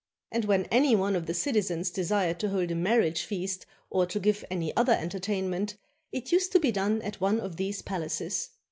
And when any one of the citizens desired to hold a marriage feast or to give any other entertainment, it used to be done at one of these palaces.